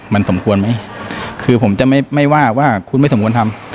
มันสมควรไหมคือผมจะไม่ไม่ว่าว่าคุณไม่สมควรทำ